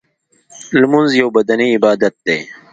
لمونځ یو بدنی عبادت دی .